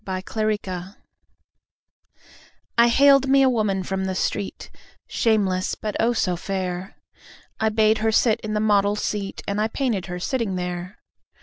My Madonna I haled me a woman from the street, Shameless, but, oh, so fair! I bade her sit in the model's seat And I painted her sitting there.